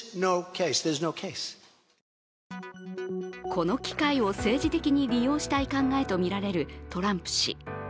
この機会を政治的に利用したい考えとみられるトランプ氏。